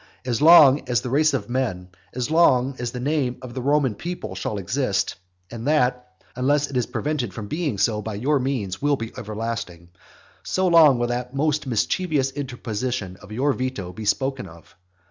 As long as the race of men, as long as the name of the Roman people shall exist, (and that, unless it is prevented from being so by your means, will be everlasting,) so long will that most mischievous interposition of your veto be spoken of.